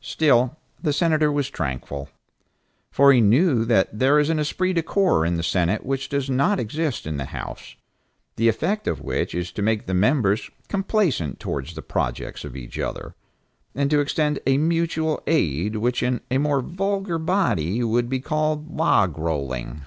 Still the Senator was tranquil, for he knew that there is an esprit de corps in the Senate which does not exist in the House, the effect of which is to make the members complaisant towards the projects of each other, and to extend a mutual aid which in a more vulgar body would be called "log rolling."